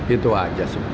itu aja sebenarnya